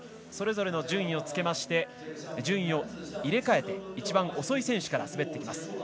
それぞれの順位をつけまして順位を入れ替えて一番遅い選手から滑ります。